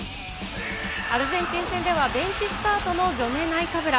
アルゼンチン戦ではベンチスタートのジョネ・ナイカブラ。